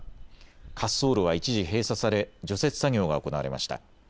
滑走路は一時閉鎖され除雪作業が行われました。